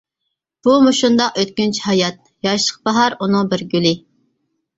بۇ مۇشۇنداق ئۆتكۈنچى ھايات، ياشلىق باھار ئۇنىڭ بىر گۈلى.